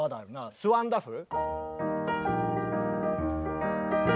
「ス・ワンダフル」。